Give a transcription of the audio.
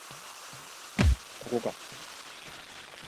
ここか